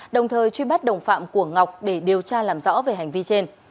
đồng thời truy bắt đồng phạm của ngọc để điều tra làm rõ về hành vi trên